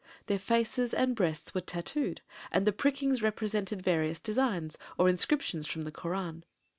Their faces and breasts were tattooed and the prickings represented various designs, or inscriptions from the Koran.